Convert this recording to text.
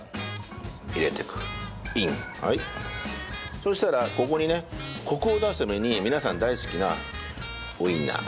そうしたらここにねコクを出すために皆さん大好きなウインナー。